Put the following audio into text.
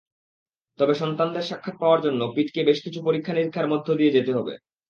তবে সন্তানদের সাক্ষাৎ পাওয়ার জন্য পিটকে বেশ কিছু পরীক্ষা-নিরীক্ষার মধ্য দিয়ে যেতে হবে।